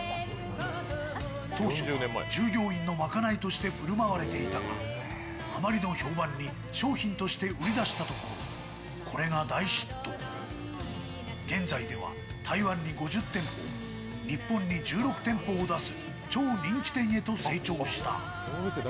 当初は従業員のまかないとして振る舞われていたがあまりの評判に、商品として売り出したところ、これが大ヒット現在では台湾に５０店舗日本に１６店舗を出す超人気店へと成長した。